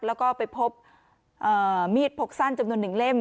แล้วก็ไปพบเอ่อมีดพกสั้นจำนวนหนึ่งเล่ม